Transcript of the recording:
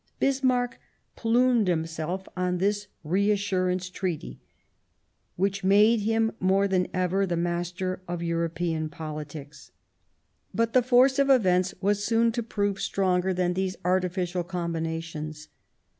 Bismarck plumed himself on this "reinsurance treaty," which made him more than ever themaster of European politics ; but the force of events was soon to prove stronger than these artificial combinations.